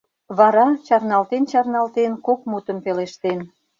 Вара, чарналтен-чарналтен, кок мутым пелештен: